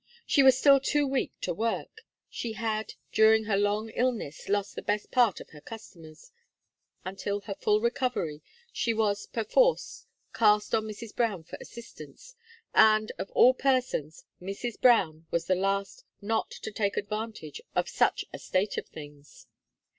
She was still too weak to work; she had, dining her long illness, lost the best part of her customers; until her full recovery, she was, perforce, cast on Mrs. Brown for assistance, and, of all persons, Mrs. Brown was the last not to take advantage of such a state of things.